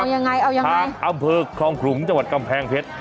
เอายังไงเอายังไงทางอำเภอคลองขลุงจังหวัดกำแพงเพชร